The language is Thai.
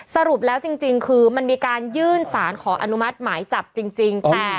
สรุปแล้วจริงคือมันมีการยื่นสารขออนุมัติหมายจับจริง